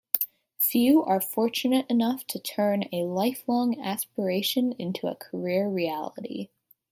Few are fortunate enough to turn a lifelong aspiration into a career reality.